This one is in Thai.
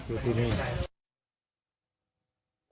อยู่ที่นี่